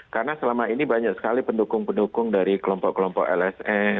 karena selama ini banyak sekali pendukung pendukung dari kelompok kelompok lsm